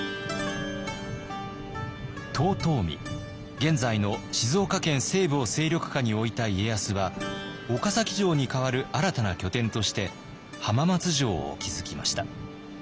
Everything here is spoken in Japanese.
遠江現在の静岡県西部を勢力下に置いた家康は岡崎城に代わる新たな拠点として浜松城を築きました。